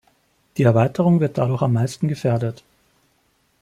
Die Erweiterung wird dadurch am meisten gefährdet.